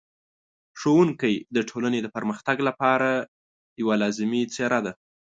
ښوونکی د ټولنې د پرمختګ لپاره یوه لازمي څېره ده.